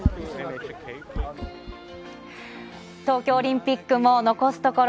東京オリンピックも残すところ